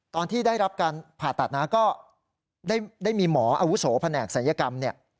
ตอนที่ได้รับการผ่าตัดนะก็ได้มีหมออาวุโสแผนกศัลยกรรมเนี่ย